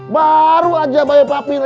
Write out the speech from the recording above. baru aja mbak be papi